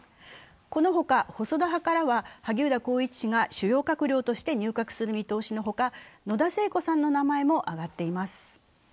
このほか、細田派からは萩生田光一氏が主要閣僚として名前が挙がっているほか、野田聖子さんの名前も挙がっています。